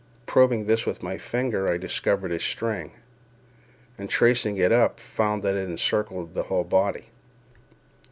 Probing this with my finger, I discovered a string, and tracing it up, found that it encircled the whole body.